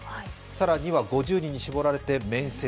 更には５０人に絞られて面接。